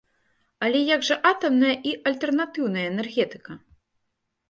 Але як жа атамная і альтэрнатыўная энергетыка?